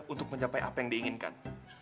untuk mencapai apa yang diinginkan